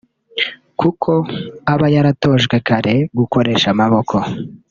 kuko aba yaratojwe kare gukoresha amaboko